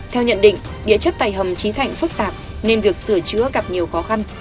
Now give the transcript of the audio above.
theo nhận định địa chất tại hầm trí thạnh phức tạp nên việc sửa chữa gặp nhiều khó khăn